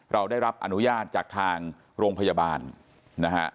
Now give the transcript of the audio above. เราได้รับอนุญาตจากทางโรงพยาบาลนะฮะ